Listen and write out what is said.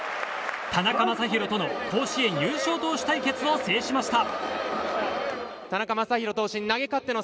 田中将大との甲子園優勝投手対決を制しました。